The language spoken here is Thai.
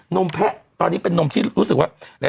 มแพะตอนนี้เป็นนมที่รู้สึกว่า